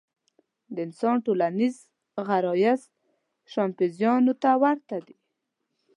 د انسان ټولنیز غرایز شامپانزیانو ته ورته دي.